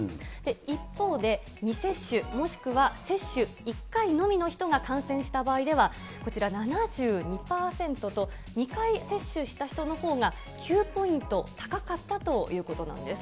一方で、未接種、もしくは接種１回のみの人が感染した場合では、こちら、７２％と、２回接種した人のほうが９ポイント高かったということなんです。